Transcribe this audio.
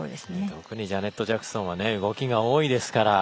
特にジャネット・ジャクソンは動きが多いですから。